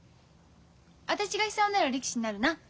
私が久男なら力士になるな。